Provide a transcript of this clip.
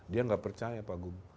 dia gak percaya pak gu